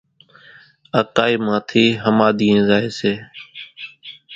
اڪائِي مان ٿي ۿماۮيئين زائي سي